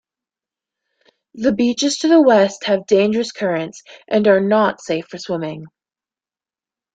The beaches to the west have dangerous currents and are not safe for swimming.